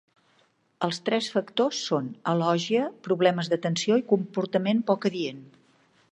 Els tres factors són: alògia, problemes d'atenció i comportament poc adient.